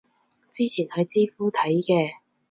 之前喺知乎睇嘅